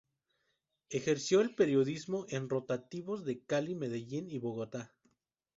Ejerció el periodismo en rotativos de Cali, Medellín y Bogotá.